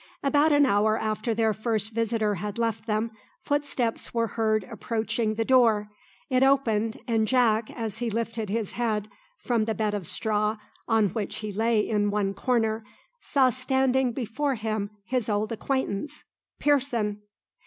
About an hour after their first visitor had left them, footsteps were heard approaching the door. It opened, and Jack, as he lifted his head from the bed of straw on which he lay in one corner, saw standing before him his old acquaintance Pearson!